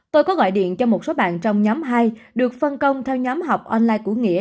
tôi có gọi điện cho một số bạn trong nhóm hai được phân công theo nhóm học online của nghĩa